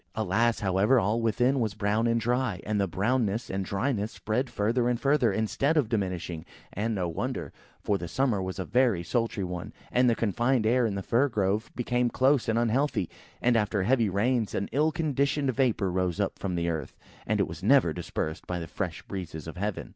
Alas! however, all within was brown and dry; and the brownness and dryness spread further and further, instead of diminishing, and, no wonder, for the summer was a very sultry one, and the confined air in the Fir grove became close and unhealthy; and after heavy rains, an ill conditioned vapour rose up from the earth, and was never dispersed by the fresh breezes of heaven.